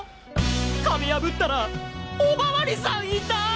壁やぶったらおまわりさんいた！